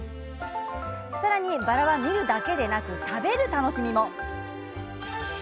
さらに、バラは見るだけでなく食べる楽しみも。